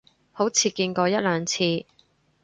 好似見過一兩次